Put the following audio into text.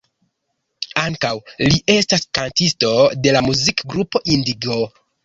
Ankaŭ, li estas kantisto de la muzik-grupo "Indigo".